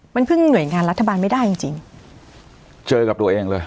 มันพึ่งหน่วยงานรัฐบาลไม่ได้จริงจริงเจอกับตัวเองเลย